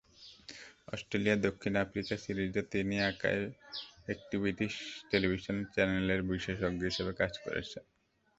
অস্ট্রেলিয়া-দক্ষিণ Africa সিরিজে তিনি একটি ব্রিটিশ টেলিভিশন চ্যানেলের বিশেষজ্ঞ হিসেবে কাজ করছেন।